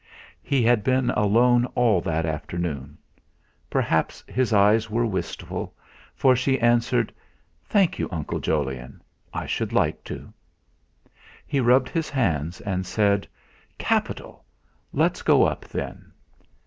He had been alone all the afternoon. Perhaps his eyes were wistful, for she answered: "Thank you, Uncle Jolyon. I should like to." He rubbed his hands, and said: "Capital! Let's go up, then!"